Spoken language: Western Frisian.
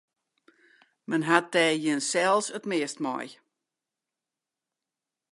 Men hat der jinsels it meast mei.